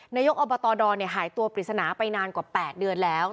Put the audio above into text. นายกอบตดรหายตัวปริศนาไปนานกว่า๘เดือนแล้ว